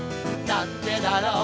なんでだろう